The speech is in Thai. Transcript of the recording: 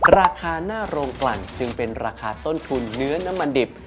ราคาหน้าโรงกลั่นจึงเป็นราคาต้นทุนเนื้อน้ำมันดิบ